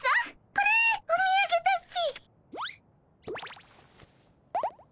これおみやげだっピ。